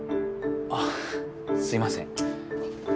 あっすいません。